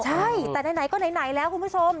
ใช่แต่ไหนก็ไหนแล้วคุณผู้ชม